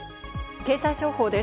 経済情報です。